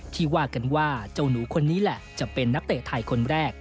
ว่ากันว่าเจ้าหนูคนนี้แหละจะเป็นนักเตะไทยคนแรก